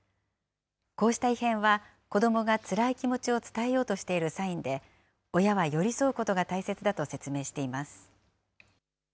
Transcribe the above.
こうした異変は、子どもがつらい気持ちを伝えようとしているサインで、親は寄り添うことが大切だと説明しています。